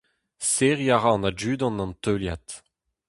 Serriñ a ra an adjudant an teuliad.